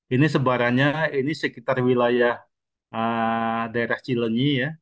ini sebarannya ini sekitar wilayah daerah cilenyi ya